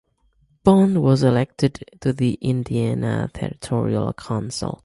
Bond was elected to the Indiana Territoral Council.